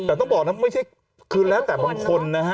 แต่ต้องบอกนะไม่ใช่คือแล้วแต่บางคนนะฮะ